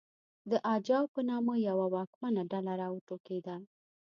د اجاو په نامه یوه واکمنه ډله راوټوکېده